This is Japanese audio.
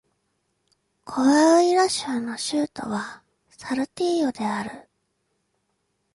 コアウイラ州の州都はサルティーヨである